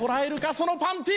そのパンティ！